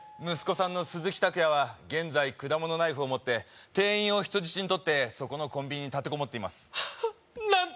息子さんのスズキタクヤは現在果物ナイフを持って店員を人質にとってそこのコンビニに立て籠もっていますああ